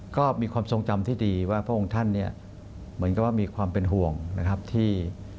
ก็มีความทรงจำที่ดีว่าพระองค์ท่านเนี่ยเหมือนกับว่ามีความเป็นห่วงนะครับที่